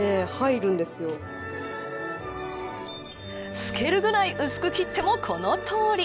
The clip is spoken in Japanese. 透けるくらい薄く切っても、このとおり。